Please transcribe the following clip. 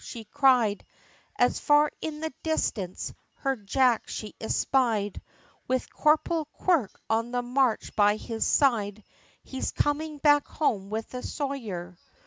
she cried, As far in the distance, her Jack she espied, With Corporal Quirk on the march by his side, He's comin' back home with a sojer.